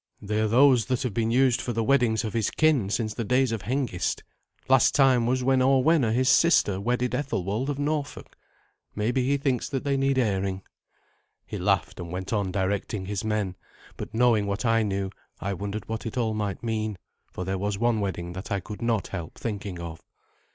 They are those that have been used for the weddings of his kin since the days of Hengist. Last time was when Orwenna, his sister, wedded Ethelwald of Norfolk. Maybe he thinks that they need airing." He laughed and went on directing his men; but knowing what I knew, I wondered what it all might mean, for there was one wedding that I could not help thinking of.